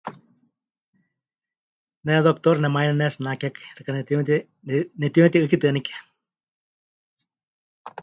Ne Doctor nemayaní pɨnetsinakekai xɨka netiuneti... ne... netiuneti'ɨ́kitɨanike.